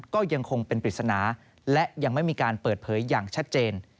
ก็ยังคงเป็นปริศนาและยังไม่มีการเปิดเผยอย่างชัดเจน